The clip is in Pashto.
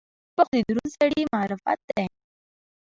چپه خوله، د دروند سړي معرفت دی.